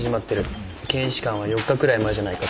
検視官は４日くらい前じゃないかって。